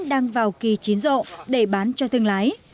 đang vào kỳ chín rộ để bán cho thương lái